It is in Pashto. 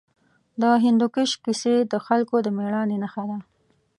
د هندوکش کیسې د خلکو د مېړانې نښه ده.